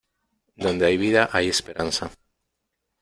Donde hay vida hay esperanza.